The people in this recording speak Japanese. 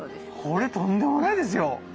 これとんでもないですよ。